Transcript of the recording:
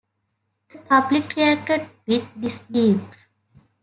The public reacted with disbelief.